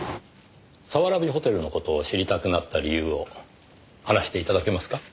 早蕨ホテルの事を知りたくなった理由を話して頂けますか？